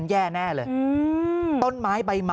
อารมณ์ไม่ดีเพราะว่าอะไรฮะ